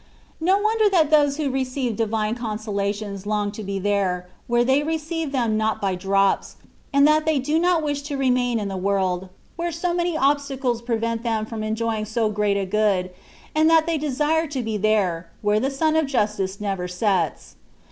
No wonder that those who receive Divine con solations long to be there, where they receive them not by drops ; and that they do not wish to remain in a world, where so many obstacles prevent them from enjoying so great a good; and that they desire to be there, where the Sun of Justice never sets.